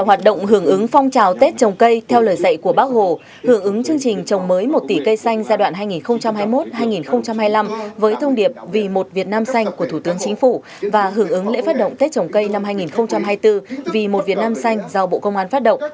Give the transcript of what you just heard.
hoạt động hưởng ứng phong trào tết trồng cây theo lời dạy của bác hồ hưởng ứng chương trình trồng mới một tỷ cây xanh giai đoạn hai nghìn hai mươi một hai nghìn hai mươi năm với thông điệp vì một việt nam xanh của thủ tướng chính phủ và hưởng ứng lễ phát động tết trồng cây năm hai nghìn hai mươi bốn vì một việt nam xanh do bộ công an phát động